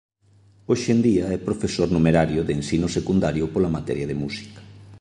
Hoxe en día é profesor numerario de Ensino Secundario pola materia de Música.